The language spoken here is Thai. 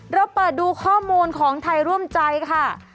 เราเปิดดูข้อมูลของไทยร่วมใจค่ะ